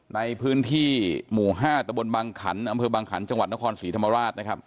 ในพื้นที่หมู่๕ตะบนบางขันอำเภอบางขันจังหวัดนครศรีธรรมราชนะครับ